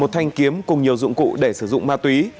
một thanh kiếm cùng nhiều dụng cụ để sử dụng ma túy